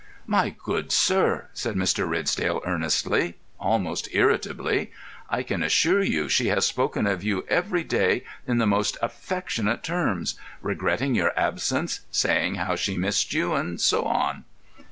"My good sir," said Mr. Ridsdale, earnestly, almost irritably, "I can assure you she has spoken of you every day in the most affectionate terms—regretting your absence, saying how she missed you, and so on."